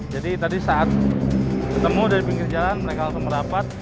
jadi tadi saat ketemu dari pinggir jalan mereka langsung mendapat